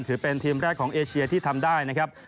ถือเป็นทีมแรกของเอเชียที่ทำได้นะครับ